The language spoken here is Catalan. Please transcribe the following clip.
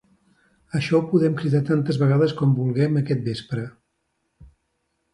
Això ho podem cridar tantes vegades com vulguem aquest vespre.